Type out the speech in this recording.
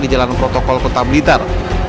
di jalan protokol kota blitar